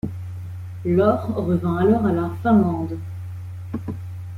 L'or revint alors à la Finlande.